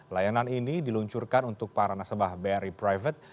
layanan ini diluncurkan untuk para nasabah bri private